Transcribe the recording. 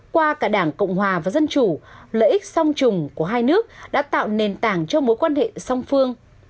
qua cả đảng cộng hòa và dân chủ lợi ích song trùng của hai nước đã tạo nền tảng cho mối quan hệ song phương